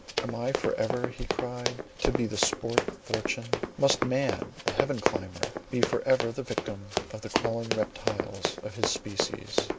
"Am I for ever," he cried, "to be the sport of fortune! Must man, the heaven climber, be for ever the victim of the crawling reptiles of his species!